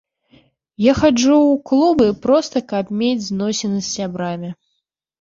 Я хаджу ў клубы проста каб мець зносіны з сябрамі.